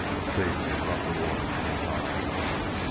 Stacy rubbed the water from his eyes.